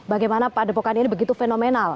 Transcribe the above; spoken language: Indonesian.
bagaimana padepokan ini begitu fenomenal